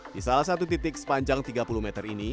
di salah satu titik sepanjang tiga puluh meter ini